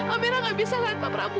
amirah gak bisa liat pak prabu